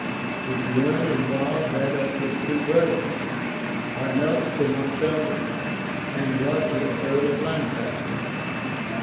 His ruin involved that of his two brothers, Arnulf de Montgomery, and Roger, earl of Lancaster.